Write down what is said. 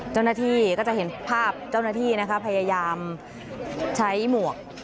เจ้าหน้าที่ก็จะเห็นภาพเจ้าหน้าที่นะคะพยายามใช้หมวก